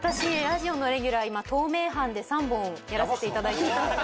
ラジオのレギュラー今東名阪で３本やらせていただいてます